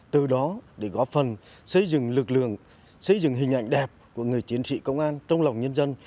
từ đó để góp phần xây dựng lực lượng xây dựng hình ảnh đẹp của người chiến sĩ công an trong lòng nhân dân